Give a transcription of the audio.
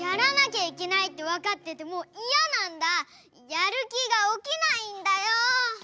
やるきがおきないんだよ！